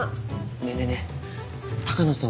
ねえねえねえ鷹野さん